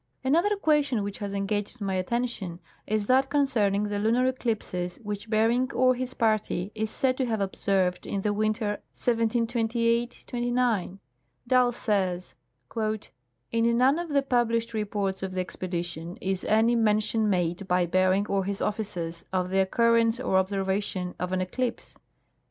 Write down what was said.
Another question which has engaged my attention is that con cerning the lunar eclipses Avhich Bering or his party is said to have observed in the winter 1728 '9. Dall says :" In none of the published reports of the expedition is any mention made by Bering or his officers of the occurrence or observation of an eclipse.